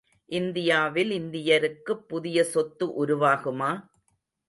இந்தியாவில் இந்தியருக்குப் புதிய சொத்து உருவாகுமா?